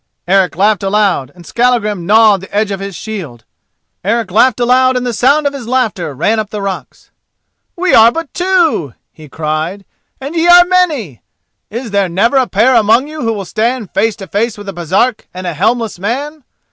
Eric laughed aloud and Skallagrim gnawed the edge of his shield. Eric laughed aloud and the sound of his laughter ran up the rocks. "We are but two," he cried, "and ye are many! Is there never a pair among you will stand face to face with a Baresark and a helmless man?"